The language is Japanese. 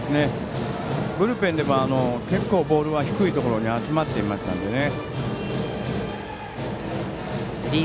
ブルペンでも結構ボールは低いところに集まっていましたのでね。